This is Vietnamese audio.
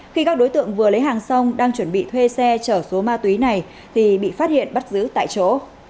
khi các đối tượng vừa lấy hàng xong đang chuẩn bị thuê xe chở số ma túy này thì bị phát hiện bắt giữ tại chỗ